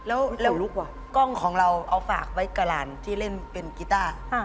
โอ๊ยสวยลูกว่ากล้องของเราเอาฝากไว้กับหลานที่เล่นกิต้า